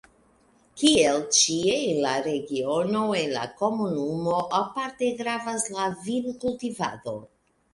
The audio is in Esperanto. Kiel ĉie en la regiono, en la komunumo aparte gravas la vinkultivado.